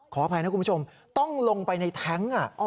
ขออภัยนะคุณผู้ชมต้องลงไปในแท้ง